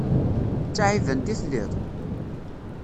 D taɛibant i telliḍ?